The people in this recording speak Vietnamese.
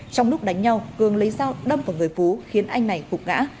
trong lúc đánh nhau cường lấy dao đâm vào người phú khiến anh này phục ngã